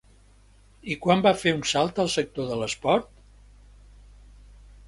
I quan va fer un salt al sector de l'esport?